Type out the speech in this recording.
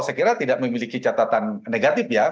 saya kira tidak memiliki catatan negatif ya